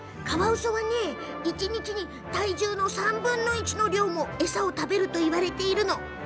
カワウソは、一日に体重の３分の１の量も餌を食べるといわれているの。